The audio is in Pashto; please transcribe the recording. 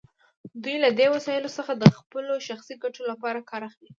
دوی له دې وسایلو څخه د خپلو شخصي ګټو لپاره کار اخلي.